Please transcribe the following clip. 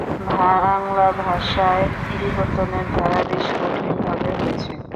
বাংলা ভাষার বিবর্তনের ধারা বেশ কঠিন ভাবে হয়েছে।